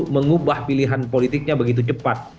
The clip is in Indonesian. mengubah pilihan politiknya begitu cepat